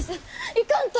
行かんと！